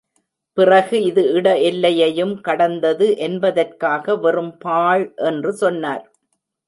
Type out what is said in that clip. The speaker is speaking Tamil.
பிறகு இது இட எல்லையையும் கடந்தது என்பதற்காக வெறும் பாழ் என்று சொன்னார்.